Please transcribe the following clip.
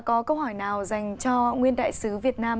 có câu hỏi nào dành cho nguyên đại sứ việt nam